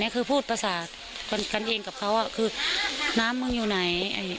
คือพูดภาษากันเองกับเขาคือน้ำมึงอยู่ไหน